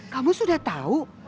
kamu sudah tahu